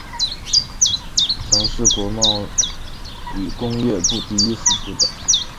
曾是国际贸易与工业部第一副部长。